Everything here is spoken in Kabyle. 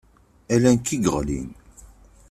Ala nekk i yeɣlin.